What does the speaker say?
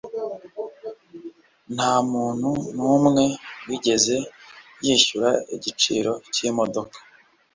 Ntamuntu numwe wigeze yishyura igiciro cyimodoka.